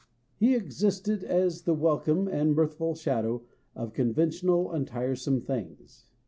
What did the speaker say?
He existed as the welcome and mirthful shadow of conventional and tiresome things.